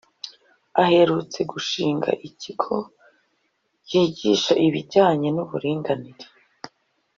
aherutse gushinga ikigo kigisha ibijyanye n’ uburinganire